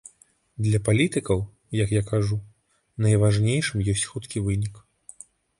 Для палітыкаў, як я кажу, найважнейшым ёсць хуткі вынік.